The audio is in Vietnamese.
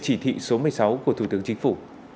chỉ thị số một mươi sáu của thủ tướng chính phủ